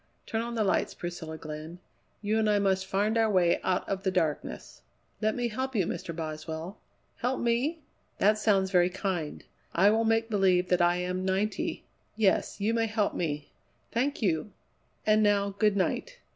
Turn on the lights, Priscilla Glenn. You and I must find our way out of the darkness." "Let me help you, Mr. Boswell." "Help me? That sounds very kind. I will make believe that I am ninety! Yes, you may help me. Thank you! And now good night.